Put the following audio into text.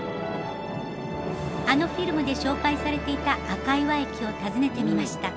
あのフィルムで紹介されていた赤岩駅を訪ねてみました。